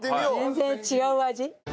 全然違う味。